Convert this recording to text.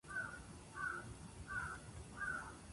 クッキーだーいすき